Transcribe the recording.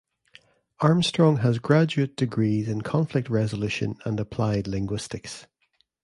Armstrong has graduate degrees in Conflict Resolution and Applied Linguistics.